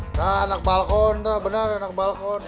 ya bener anak falcon bener anak falcon